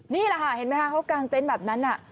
นี่แหละค่ะเห็นไหมคะเขากางเต็นต์แบบนั้น